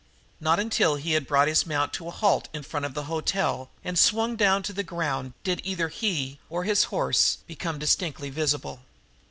Not until he had brought his mount to a halt in front of the hotel and swung down to the ground did either he or his horse become distinctly visible.